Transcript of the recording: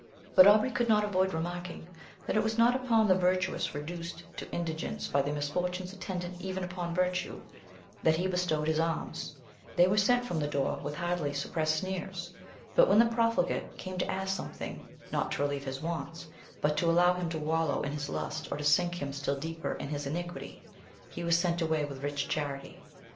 But Aubrey could not avoid remarking, that it was not upon the virtuous, reduced to indigence by the misfortunes attendant even upon virtue, that he bestowed his alms; these were sent from the door with hardly suppressed sneers; but when the profligate came to ask something, not to relieve his wants, but to allow him to wallow in his lust, or to sink him still deeper in his iniquity, he was sent away with rich charity.